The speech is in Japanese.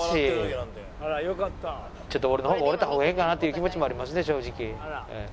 ちょっと俺の方も折れた方がええかなっていう気持ちもありますね正直。